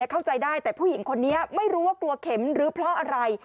เข้าใจได้แต่ผู้หญิงคนนี้ไม่รู้ว่ากลัวเข็มหรือเพราะอะไร